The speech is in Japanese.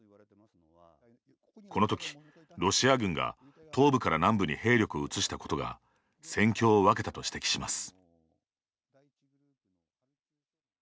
この時、ロシア軍が東部から南部に兵力を移したことが戦況を分けたと指摘します。